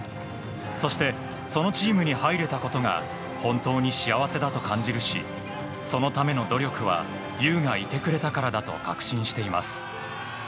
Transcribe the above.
そして、そのチームに入れたことが本当に幸せだと感じるしそのための努力は優がいてくれたからだと確信しています。